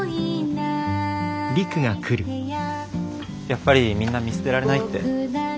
やっぱりみんな見捨てられないって。